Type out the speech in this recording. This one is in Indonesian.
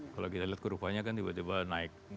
kalau kita lihat kurvanya kan tiba tiba naik